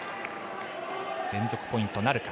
連続ポイントなるか。